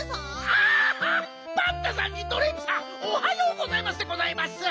あっパンタさんにドレープさんおはようございますでございます！